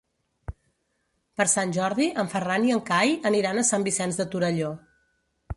Per Sant Jordi en Ferran i en Cai aniran a Sant Vicenç de Torelló.